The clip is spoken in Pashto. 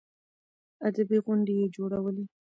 ادبي غونډې يې جوړولې.